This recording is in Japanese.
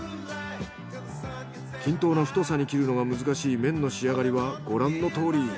均等な太さに切るのが難しい麺の仕上がりはご覧のとおり。